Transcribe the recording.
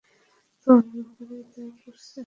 তোমার বন্ধুরাও তাই করেছে।